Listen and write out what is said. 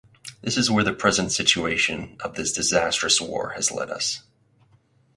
This is where the present situation of this disastrous war has led us.